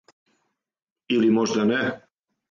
Или можда не?